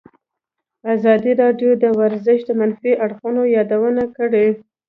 ازادي راډیو د ورزش د منفي اړخونو یادونه کړې.